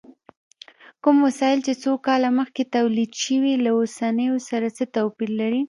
کوم وسایل چې څو کاله مخکې تولید شوي، له اوسنیو سره څه توپیر لري؟